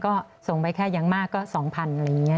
ก็ส่งไปแค่อย่างมากก็๒๐๐๐อะไรอย่างนี้